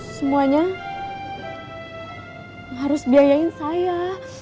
semuanya harus biayain saya